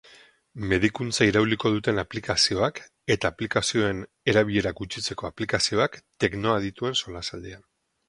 Medikuntza irauliko duten aplikazioak, eta aplikazioen erabilera gutxitzeko aplikazioak, teknoadituen solasaldian.